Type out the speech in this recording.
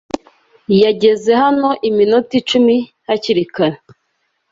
Yageze hano iminota icumi hakiri kare.